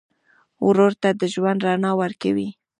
ورور ته د ژوند رڼا ورکوې.